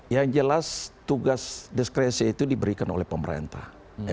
yang jelas tugas diskresi itu diberikan oleh pemerintah